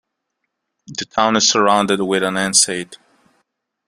The town is surrounded with an enceinte.